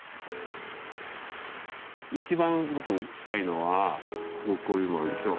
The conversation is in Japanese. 一番僕したいのはこういうのあるでしょ？